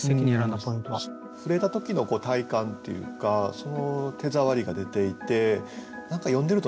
触れた時の体感っていうかその手触りが出ていて何か読んでるとね